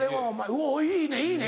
おぉいいねいいね